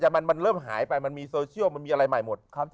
มันเริ่มหายไปมีโซเชียลมีอะไรใหม่หมด